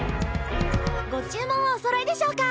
ご注文はおそろいでしょうか。